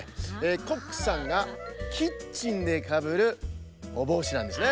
コックさんがキッチンでかぶるおぼうしなんですね。